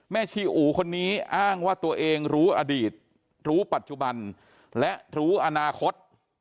ชีอู๋คนนี้อ้างว่าตัวเองรู้อดีตรู้ปัจจุบันและรู้อนาคต